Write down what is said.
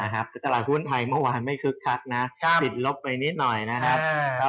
แต่ตลาดหุ้นไทยเมื่อวานไม่คึกคักนะปิดลบไปนิดหน่อยนะครับ